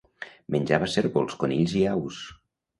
Menjava cérvols, conills i aus.